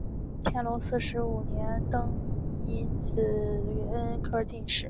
乾隆四十五年登庚子恩科进士。